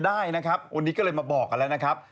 วันนี้ก็เลยมาบอกกันแล้วนะครับ